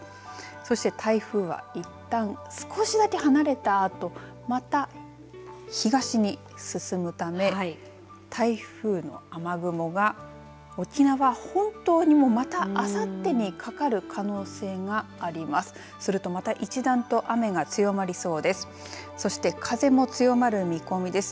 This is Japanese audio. そして台風はいったん少しだけ離れたあとまた東に進むため台風の雨雲が沖縄本島にもまたあさってにかかる可能性があります。